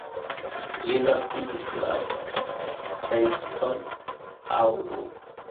Li naskiĝis la en San-Paŭlo.